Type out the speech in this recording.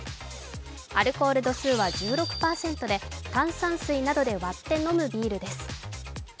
アルコール度数は１６％で炭酸水などで割って飲むビールです。